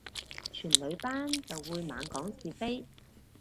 全女班就會猛講是非